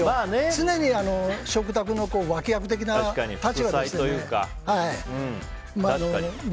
常に食卓の脇役的な立場ですので。